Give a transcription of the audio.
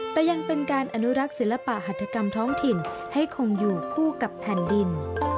แต่ยังเป็นการอนุรักษ์ศิลปะหัฐกรรมท้องถิ่นให้คงอยู่คู่กับแผ่นดิน